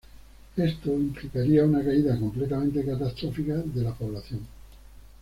Esto implicaría una caída completamente catastrófica de la población.